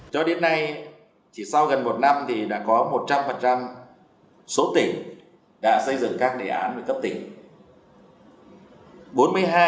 cho đến nay chỉ sau gần một năm thì đã có một trăm linh số tỉnh đã xây dựng các đề án về cấp tỉnh